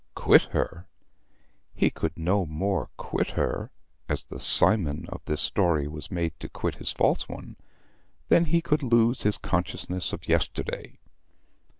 Quit her! He could no more quit her, as the Cymon of this story was made to quit his false one, than he could lose his consciousness of yesterday.